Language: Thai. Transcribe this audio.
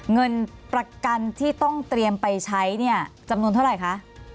เงินประกันที่ต้องเตรียมไปใช้เนี่ยจำนวนเท่าไหร่คะ